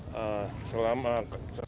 mohon maaf bapak gubernur